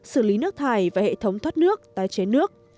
xử lý nước thải và hệ thống thoát nước tái chế nước